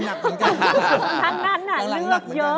ทั้งนั้นเลือกเยอะ